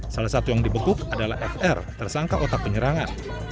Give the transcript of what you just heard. salah satu yang dibekuk adalah fr tersangka otak penyerangan